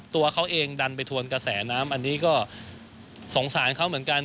ตัวเขาเองดันไปทวนกระแสน้ำอันนี้ก็สงสารเขาเหมือนกัน